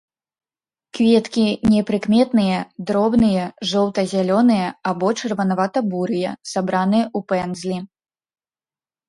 Кветкі непрыкметныя дробныя жоўта-зялёныя або чырванавата-бурыя, сабраныя ў пэндзлі.